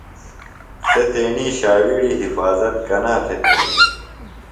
سےۡ تیݨی ݜاوِیڑیۡ حفاظت کنا تھےۡ تھینیۡ؟